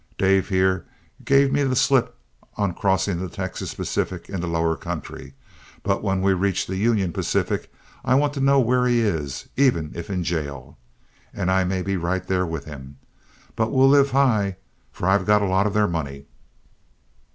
Dave, here, gave me the slip on crossing the Texas Pacific in the lower country, but when we reach the Union Pacific, I want to know where he is, even if in jail. And I may be right there with him, but we'll live high, for I've got a lot of their money."